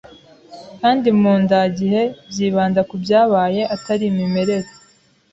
kandi mu ndagihe(byibanda ku byabaye atari imimerere